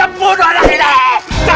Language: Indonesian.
pak baju di dalam